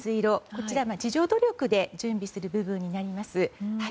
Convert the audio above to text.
こちらは自助努力で準備する部分になります。